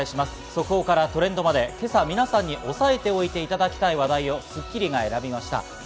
速報からトレンドまで今朝、皆さんに押さえておいていただきたい話題を『スッキリ』が選びました。